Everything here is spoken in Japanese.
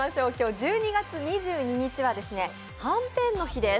１２月２２日ははんぺんの日です。